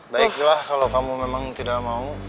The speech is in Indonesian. baiklah kalau kamu memang tidak mau